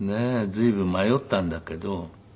随分迷ったんだけど。